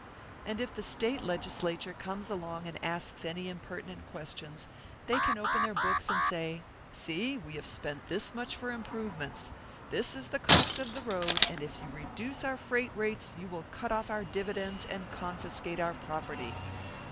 And if the State Legislature comes along and asks any impertinent questions, they can open their books and say: 'See, we have spent this much for improvements. This is the cost of the road; and if you reduce our freight rates, you will cut off our dividends and confiscate our property.'"